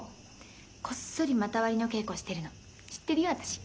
こっそり股割りの稽古してるの知ってるよ私。